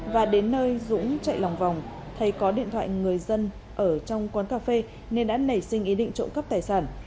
và đến nơi dũng chạy lòng vòng thấy có điện thoại người dân ở trong quán cà phê nên đã nảy sinh ý định trộm cắp tài sản